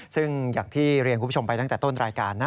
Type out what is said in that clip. ซึ่งอย่างที่เรียนคุณผู้ชมไปตั้งแต่ต้นรายการนะ